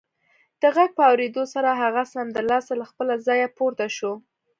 د غږ په اورېدو سره هغه سمدلاسه له خپله ځايه پورته شو